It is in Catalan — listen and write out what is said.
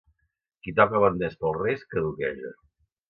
Qui toca a bon temps pels Reis, caduqueja.